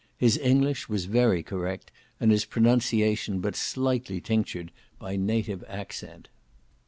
His English was very correct, and his pronunciation but slightly tinctured by native accent.